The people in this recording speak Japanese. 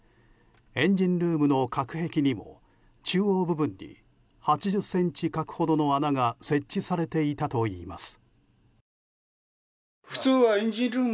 エンジンルームの隔壁にも中央部分に８０ｃｍ角ほどの穴が設置されていたといいます。